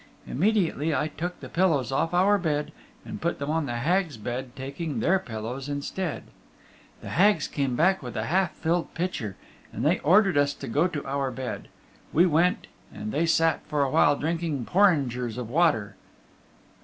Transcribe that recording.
Immediately I took the pillows off our bed and put them on the Hags' bed, taking their pillows instead. The Hags came back with a half filled pitcher, and they ordered us to go to our bed. We went, and they sat for a while drinking porringers of water.